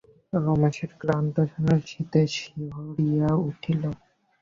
রমেশের ক্লান্ত শরীর শীতে শিহরিয়া উঠিল।